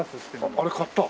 あれ買った？